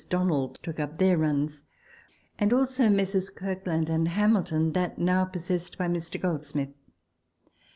Donald took up their runs, and also Messrs. Kirkland and Hamilton that now possessed by Mr. Goldsmith.